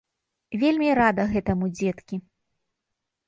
Вельмі рада гэтаму, дзеткі.